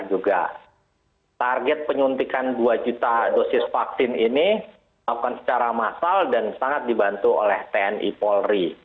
juga target penyuntikan dua juta dosis vaksin ini dilakukan secara massal dan sangat dibantu oleh tni polri